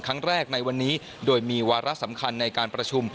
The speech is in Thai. ครั้งแรกในวันนี้โดยมีวาระสำคัญในการประชุม